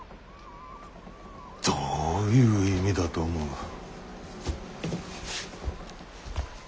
どういう意味だと思う？